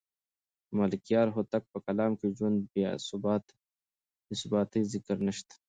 د ملکیار هوتک په کلام کې د ژوند د بې ثباتۍ ذکر نشته.